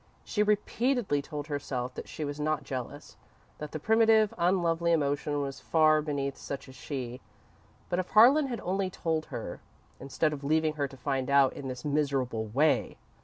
She repeatedly told herself that she was not jealous; that the primitive, unlovely emotion was far beneath such as she. But if Harlan had only told her, instead of leaving her to find out in this miserable way!